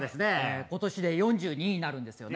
今年で４２になるんですよね。